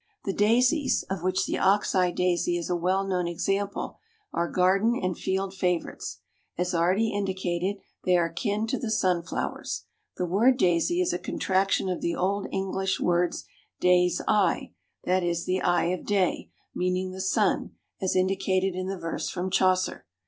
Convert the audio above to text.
The daisies, of which the ox eye daisy is a well known example, are garden and field favorites. As already indicated, they are kin to the sunflowers. The word daisy is a contraction of the old English words "dayes eye," that is, the eye of day, meaning the sun, as indicated in the verse from Chaucer.